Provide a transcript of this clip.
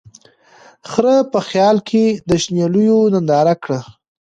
خره په خیال کی د شنېلیو نندارې کړې